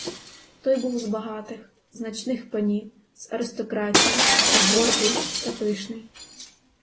Той був з багатих, значних панів, з аристократії, та гордий, та пишний!